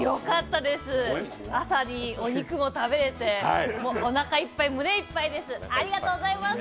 朝にお肉を食べれておなかいっぱい、胸いっぱいです。